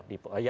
di proposisi ya